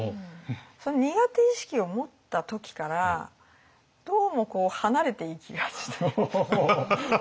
その苦手意識を持った時からどうもこう離れていきがちというか。